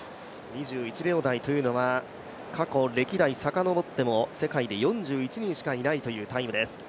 ２１秒台というのは過去歴代遡っても世界で４１人しかいないというタイムです。